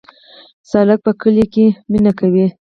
سالک په بل کلي کې مینه کوي